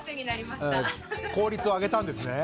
効率を上げたんですね。